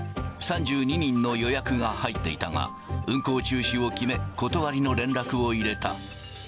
３２人の予約が入っていたが、運航中止を決め、断りの連絡を入れた。